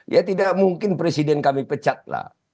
ya tidak mungkin presiden kami pecat lah